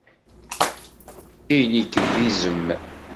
Ili-k d izem